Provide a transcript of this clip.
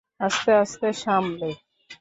আস্তে আস্তে, সামলে।